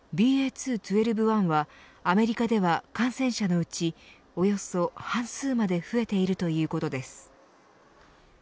ＢＡ．２．１２．１はアメリカでは感染者のうちおよそ半数まで増えているということです。